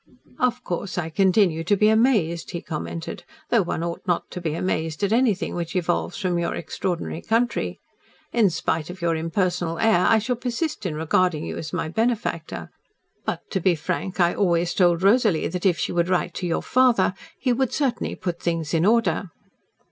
"Of course, I continue to be amazed," he commented, "though one ought not to be amazed at anything which evolves from your extraordinary country. In spite of your impersonal air, I shall persist in regarding you as my benefactor. But, to be frank, I always told Rosalie that if she would write to your father he would certainly put things in order."